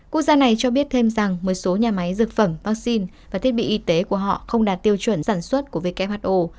quốc gia này cho biết thêm rằng một số nhà máy dược phẩm vaccine và thiết bị y tế của họ không đạt tiêu chuẩn sản xuất của who